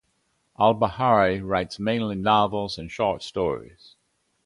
Albahari writes mainly novels and short stories.